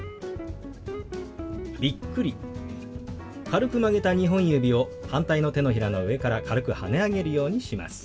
軽く曲げた２本指を反対の手のひらの上から軽くはね上げるようにします。